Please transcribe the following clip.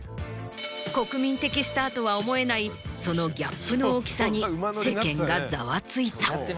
国民的スターとは思えないそのギャップの大きさに世間がザワついた。